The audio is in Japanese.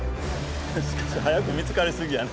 早く見つかりすぎやな。